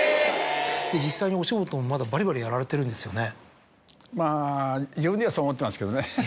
実際にお仕事もまだバリバリやられてるんですよね。